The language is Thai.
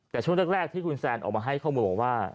แต่ช่วงแรกที่คุณแซนออกมาให้ข้อมูลบอกว่า